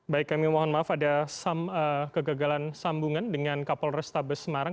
baik kami mohon maaf ada kegagalan sambungan dengan kapol restabes semarang